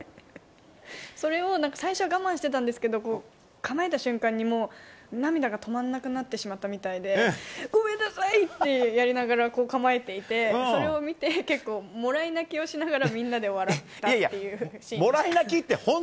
それを最初は我慢していたんですけど構えた瞬間に涙が止まらなくなってしまったみたいでごめんなさい！ってやりながら構えていてそれを見て結構もらい泣きをしながらみんなで笑ったっていう。